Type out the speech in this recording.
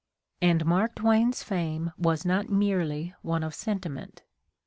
And Mark Twain's fame was not merely one of sentiment.